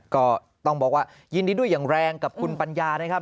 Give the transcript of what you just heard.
ก็ต้องบอกว่ายินดีด้วยอย่างแรงกับคุณปัญญานะครับ